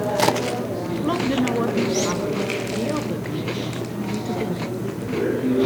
Lotgenoaten hawwe mar in heal wurd nedich om dy te begripen.